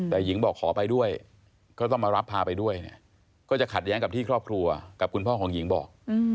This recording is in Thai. แต่หญิงบอกขอไปด้วยก็ต้องมารับพาไปด้วยเนี่ยก็จะขัดแย้งกับที่ครอบครัวกับคุณพ่อของหญิงบอก